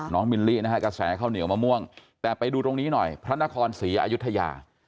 มิลลินะฮะกระแสข้าวเหนียวมะม่วงแต่ไปดูตรงนี้หน่อยพระนครศรีอายุทยา